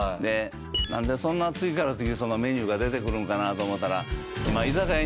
なんでそんな次から次にメニューが出てくるんかなと思ったら。